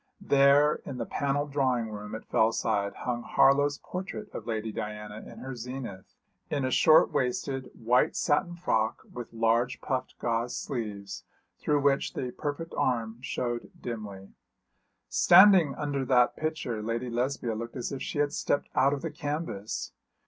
There in the panelled drawing room at Fellside hung Harlow's portrait of Lady Diana in her zenith, in a short waisted, white satin frock, with large puffed gauze sleeves, through which the perfect arm showed dimly. Standing under that picture Lady Lesbia looked as if she had stepped out of the canvas.